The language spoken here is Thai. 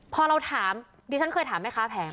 พอเราถามดิฉันเคยถามแม่ค้าแผง